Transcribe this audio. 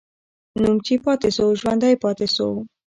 نوم چې پاتې سو، ژوندی پاتې سو.